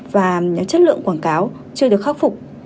và chất lượng quảng cáo chưa được khắc phục